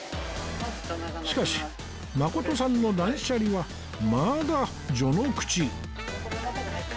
しかしまことさんの断捨離はまだ序の口